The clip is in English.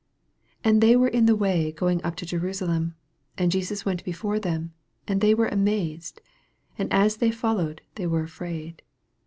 32 And they were in the way going up to Jerusalem ; and Jesus went before them ; and they were amazed ; and as they followed, they were afraid.